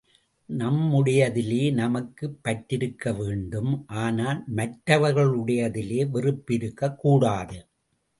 நம்முடையதிலே நமக்குப் பற்றிருக்க வேண்டும் ஆனால் மற்றவர்களுடையதிலே வெறுப்பு இருக்கக்கூடாது.